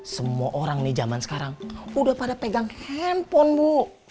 semua orang nih zaman sekarang udah pada pegang handphone bu